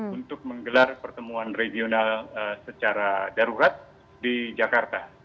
untuk menggelar pertemuan regional secara darurat di jakarta